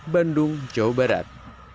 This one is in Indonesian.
bandung jawa barat